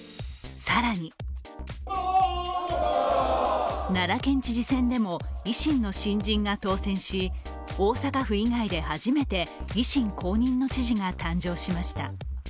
更に奈良県知事選でも維新の新人が当選し、大阪府以外で初めて維新公認の知事が誕生しました。